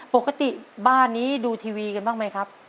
ปกติบ้านนี้ดูทีวีกันบ้างไหมครับ